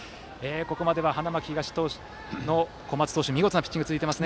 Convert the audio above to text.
ここまでは、花巻東の小松投手の見事なピッチングが続いています。